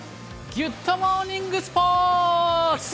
ギュッとモーニングスポーツ！